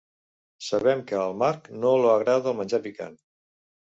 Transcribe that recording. Sabem que al Mark no lo agrada el menjar picant.